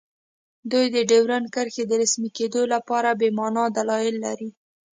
دوی د ډیورنډ کرښې د رسمي کیدو لپاره بې مانا دلایل لري